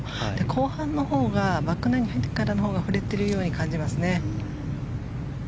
後半のほうがバックナインに入ってからのほうが振れてるように感じますね。